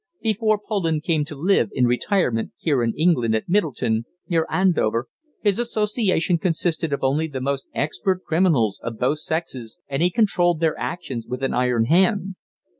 Before Poland came to live in retirement here in England at Middleton, near Andover, his association consisted only of the most expert criminals of both sexes, and he controlled their actions with an iron hand.